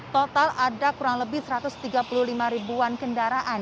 total ada kurang lebih satu ratus tiga puluh lima ribuan kendaraan